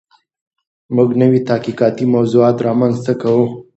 موږ نوي تحقیقاتي موضوعات رامنځته کوو.